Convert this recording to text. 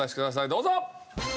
どうぞ！